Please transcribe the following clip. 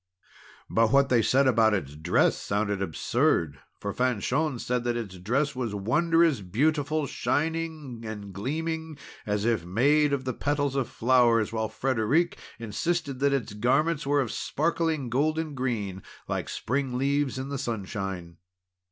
But what they said about its dress sounded absurd. For Fanchon said that its dress was wondrous beautiful, shining and gleaming, as if made of the petals of flowers; while Frederic insisted that its garments were of sparkling golden green, like spring leaves in the sunshine.